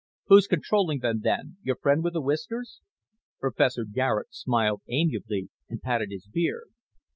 "Who's controlling them, then? Your friend with the whiskers?" Professor Garet smiled amiably and patted his beard.